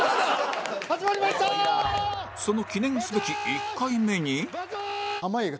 その記念すべき１回目に